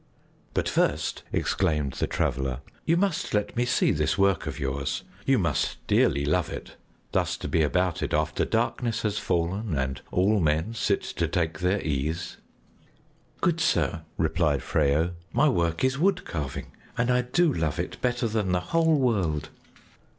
"But first," exclaimed the Traveler, "you must let me see this work of yours; you must dearly love it, thus to be about it after darkness has fallen and all men sit to take their ease." "Good sir," replied Freyo, "my work is wood carving, and I do love it better than the whole world!"